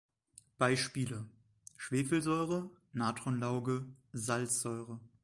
Beispiele: Schwefelsäure, Natronlauge, Salzsäure.